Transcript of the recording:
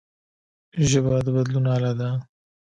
ژبه د بدلون اله ده